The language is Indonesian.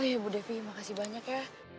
oh iya bu devi terima kasih banyak ya